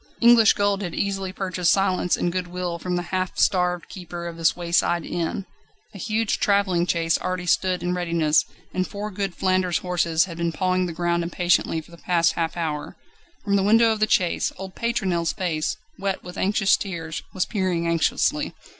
English gold had easily purchased silence and good will from the half starved keeper of this wayside inn. A huge travelling chaise already stood in readiness, and four good Flanders horses had been pawing the ground impatiently for the past half hour. From the window of the chaise old Pétronelle's face, wet with anxious tears, was peering anxiously.